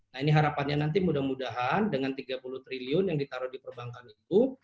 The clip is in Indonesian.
nah ini harapannya nanti mudah mudahan dengan tiga puluh triliun yang ditaruh di perbankan itu